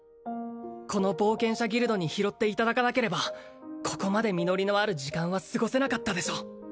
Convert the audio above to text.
この冒険者ギルドに拾っていただかなければここまで実りのある時間は過ごせなかったでしょう